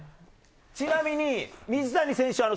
ちなみに水谷選手